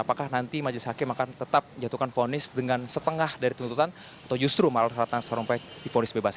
apakah nanti majelis hakim akan tetap jatuhkan ponis dengan setengah dari tuntutan atau justru malah ratna sarumpait difonis bebas